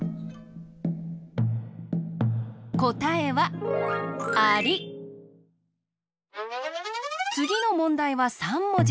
こたえはつぎのもんだいは３もじ。